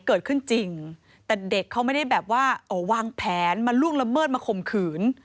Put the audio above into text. เกิดขึ้นจริงแต่เด็กเขาไม่ได้แบบว่าวางแผนมาล่วงละเมิดมาข่มขืน